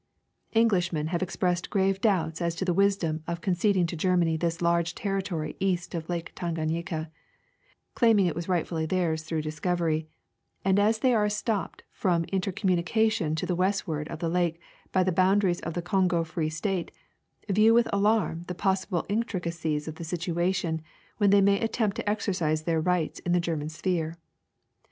Englishmen have expressed grave doubts as to the wisdoin of conceding to Germany this large territory east of Lake Tanganyika, claiming it was rightfully theirs through dis covery, and as they are ' estopped from intercommunication to the westward of the lake by the boundaries of the Kongo Free State, view with alarm the possible intricacies of the situation when they may attempt to exercise their rights in the German sphere.